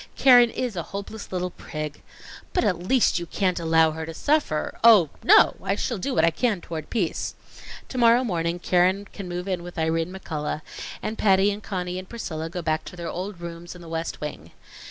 Keren is a hopeless little prig " "But at least you can't allow her to suffer " "Oh, no, I shall do what I can toward peace. To morrow morning, Keren can move in with Irene McCullough, and Patty and Conny and Priscilla go back to their old rooms in the West Wing.